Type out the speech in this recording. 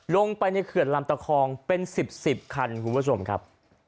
ลงไปในเขื่อนลำตะคองเป็น๑๐๑๐คันคุณผู้ชมครับ